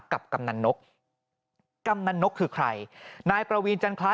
ปี๖๓ก็ไปปี๖๒ก็ไปไม่เคยขาดไม่เคยเว้นทุกปี